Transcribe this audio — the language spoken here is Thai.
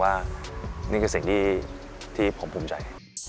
ว่านี่คือสิ่งที่ผมภูมิใจ